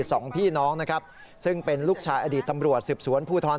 สองพี่น้องนะครับซึ่งเป็นลูกชายอดีตตำรวจสืบสวนภูทร